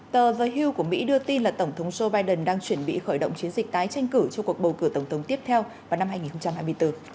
tờ giới hưu của mỹ đưa tin là tổng thống joe biden đang chuẩn bị khởi động chiến dịch tái tranh cử cho cuộc bầu cử tổng thống tiếp theo vào năm hai nghìn hai mươi bốn